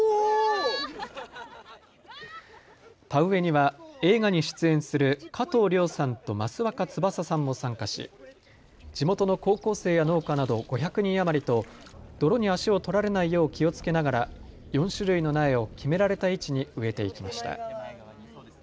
田植えには映画に出演する加藤諒さんと益若つばささんも参加し地元の高校生や農家など５００人余りと泥に足を取られないよう気をつけながら４種類の苗を決められた位置に植えていきました。